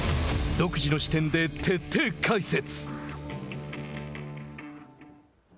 独自の視点で徹底解説！